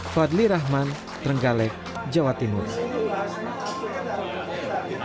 fadli rahman trenggalek jawa timur